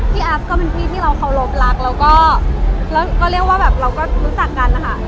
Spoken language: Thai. แอฟก็เป็นพี่ที่เราเคารพรักแล้วก็เรียกว่าแบบเราก็รู้จักกันนะคะ